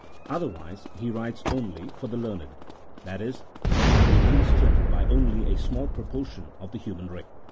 Otherwise he writes only for the learned — that is, he will be understood by only a small proportion of the human race.